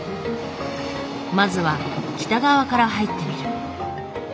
まずは北側から入ってみる。